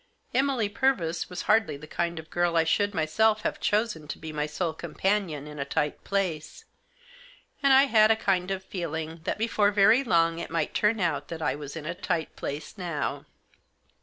Emily Purvis was hardly the kind of girl I should myself have chosen to be my sole companion in a tight place; and I had a kind of feeling that before very long it might turn out that I was in a tight place now.